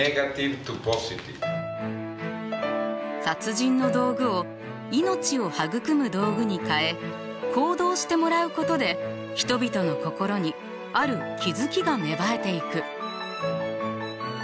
殺人の道具を命を育む道具に変え行動してもらうことで人々の心にある気付きが芽生えていく。